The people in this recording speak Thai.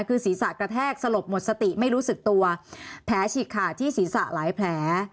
คือศีรษะกระแทกสลบหมดสติไม่รู้สึกตัวแผลฉีกขาดที่ศีรษะหลายแผล